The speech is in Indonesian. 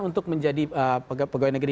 untuk menjadi pegawai negeri